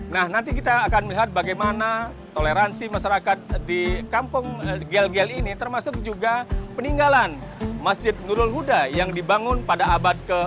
nah nanti kita akan melihat bagaimana toleransi masyarakat di kampung gel gel ini termasuk juga peninggalan masjid nurul huda yang dibangun pada abad ke tujuh belas